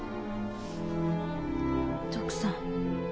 徳さん